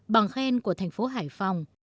bằng khen của thành phố hải phòng